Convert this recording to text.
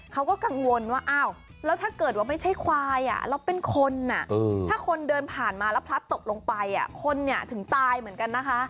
เขาก็กังวลว่าอ้าวแล้วถ้าเกิดว่าไม่ใช่ควายแล้วเป็นคนถ้าคนเดินผ่านมาแล้วพลัดตกลงไปคนถึงตายเหมือนกันนะคะ